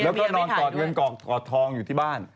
แล้วก็นอนกอดเงินกอกทองอยู่ที่บ้าน